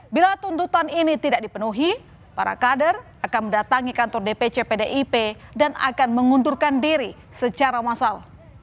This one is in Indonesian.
bila tuntutan ini tidak dipenuhi para kader akan mendatangi kantor dpc pdip dan akan mengundurkan diri secara massal